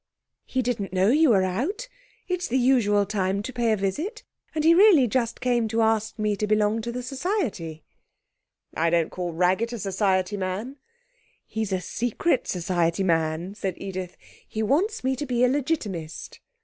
'He didn't know you were out. It's the usual time to pay a visit, and he really came just to ask me to belong to the Society.' 'I don't call Raggett a society man.' 'He's a secret society man,' said Edith. 'He wants me to be a Legitimist.'